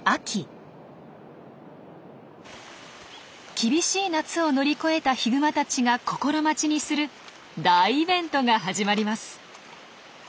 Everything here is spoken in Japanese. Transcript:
厳しい夏を乗り越えたヒグマたちが心待ちにする大イベントが始まります。